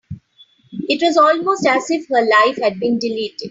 It was almost as if her life had been deleted.